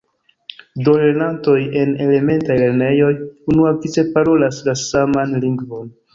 Do lernantoj en elementaj lernejoj unuavice parolas la saman lingvon.